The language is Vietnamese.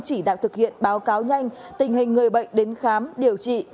chỉ đạo thực hiện báo cáo nhanh tình hình người bệnh đến khám điều trị